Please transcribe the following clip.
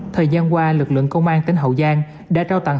thời gian qua lực lượng công an tỉnh hậu giang đã trao tặng